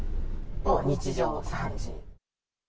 もう日常茶飯事。